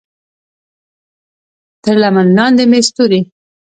تر لمن لاندې مې ستوري